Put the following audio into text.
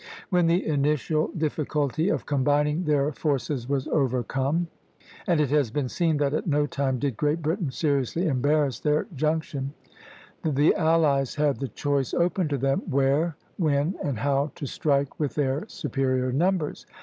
When the initial difficulty of combining their forces was overcome, and it has been seen that at no time did Great Britain seriously embarrass their junction, the allies had the choice open to them where, when, and how to strike with their superior numbers.